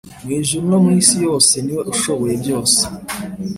Mu ijuru no mu isi yose niwe ushoboye byose